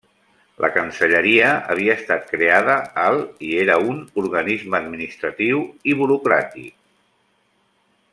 La Cancelleria havia estat creada al i era un organisme administratiu i burocràtic.